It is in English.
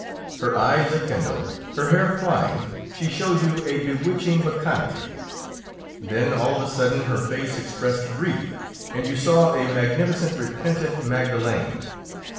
Her eyes a kindle, her hair flying, she showed you a bewitching bacchante; then, all of a sudden, her face expressed grief, and you saw a magnificent repentant Magdalen.